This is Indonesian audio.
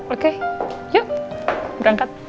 oke yuk berangkat